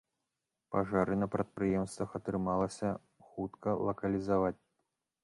Пажары на прадпрыемствах атрымалася хутка лакалізаваць.